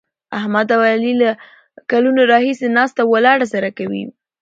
احمد او علي له کلونو راهسې ناسته ولاړه سره کوي.